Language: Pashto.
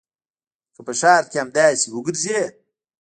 که په ښار کښې همداسې وګرځې.